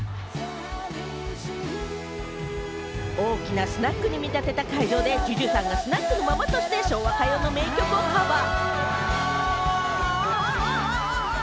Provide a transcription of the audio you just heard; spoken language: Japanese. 大きなスナックに見立てた会場でＪＵＪＵさんがスナックのママとして、昭和歌謡の名曲をカバー。